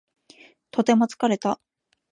とても疲れた